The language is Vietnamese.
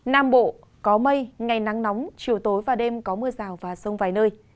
nam bộ có mây ngày nắng nóng chiều tối và đêm có mưa rào và rông vài nơi